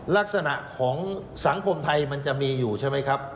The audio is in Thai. ลักษณะของสังคมไทยมันจะมีอยู่ใช่ไหมครับ